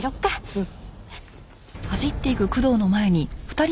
うん。